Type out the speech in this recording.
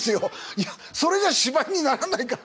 いやそれじゃ芝居にならないから。